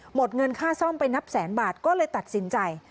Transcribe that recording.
หมดเงินค่าซ่อมไปนับแสนบาทก็เลยตัดสินใจ